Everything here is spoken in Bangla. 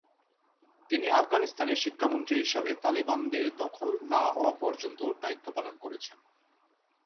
তিনি আফগানিস্তানের শিক্ষামন্ত্রী হিসেবে তালেবানদের দখল না হওয়া পর্যন্ত দায়িত্ব পালন করেছেন।